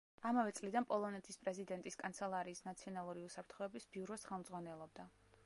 ამავე წლიდან პოლონეთის პრეზიდენტის კანცელარიის ნაციონალური უსაფრთხოების ბიუროს ხელმძღვანელობდა.